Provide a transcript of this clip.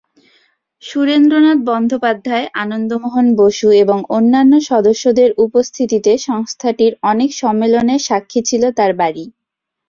সুরেন্দ্রনাথ বন্দ্যোপাধ্যায়, আনন্দমোহন বসু এবং অন্যান্য সদস্যদের উপস্থিতিতে সংস্থাটির অনেক সম্মেলনের সাক্ষী ছিল তার বাড়ি।